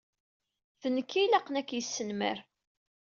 D nekk i ilaqen ad k-yesnamer.